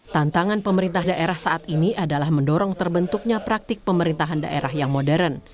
tantangan pemerintah daerah saat ini adalah mendorong terbentuknya praktik pemerintahan daerah yang modern